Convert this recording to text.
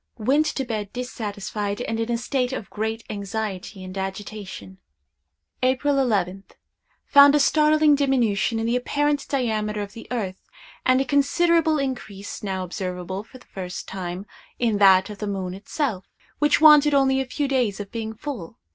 Went to bed dissatisfied, and in a state of great anxiety and agitation. "April 11th. Found a startling diminution in the apparent diameter of the earth, and a considerable increase, now observable for the first time, in that of the moon itself, which wanted only a few days of being full.